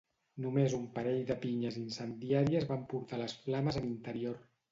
Només un parell de pinyes incendiàries van portar les flames a l'interior.